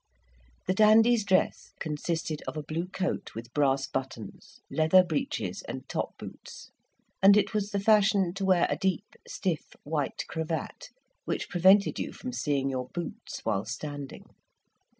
The dandy's dress consisted of a blue coat with brass buttons, leather breeches, and top boots; and it was the fashion to wear a deep, stiff white cravat, which prevented you from seeing your boots while standing.